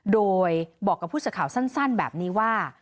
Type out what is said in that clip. โดยบอกกับผู้สื่อข่าวสั้นแบบนี้ว่า